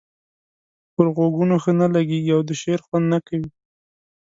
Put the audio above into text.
پر غوږونو ښه نه لګيږي او د شعر خوند نه کوي.